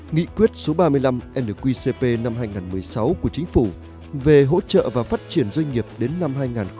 nghị quyết số ba mươi năm nqcp năm hai nghìn một mươi sáu của chính phủ về hỗ trợ và phát triển doanh nghiệp đến năm hai nghìn hai mươi